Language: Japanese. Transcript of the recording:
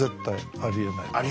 ありえない。